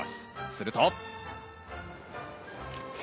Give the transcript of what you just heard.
すると。